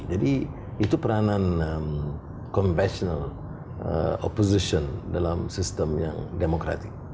jadi itu peranan konvensional opposition dalam sistem yang demokratik